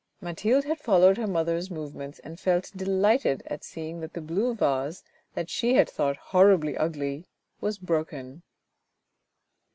..." Mathilde had followed her mother's movements, and felt delighted at seeing that the blue vase, that she had thought horribly ugly, was broken.